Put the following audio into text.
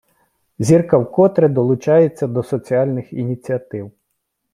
Зірка вкотре долучається до соціальних ініціатив.